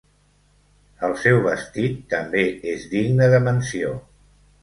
El seu vestit també és digne de menció.